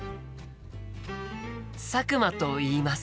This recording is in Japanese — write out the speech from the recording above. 佐久間といいます。